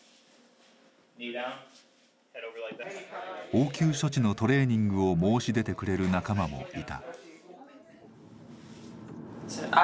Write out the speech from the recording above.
応急処置のトレーニングを申し出てくれる仲間もいた。